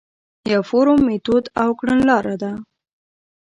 یو فورم، میتود او کڼلاره ده.